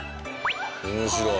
面白い。